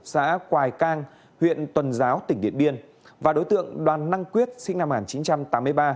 xã quài cang huyện tuần giáo tỉnh điện biên và đối tượng đoàn năng quyết sinh năm một nghìn chín trăm tám mươi ba